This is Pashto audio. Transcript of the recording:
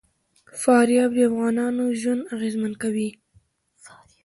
فاریاب د افغانانو ژوند اغېزمن کوي.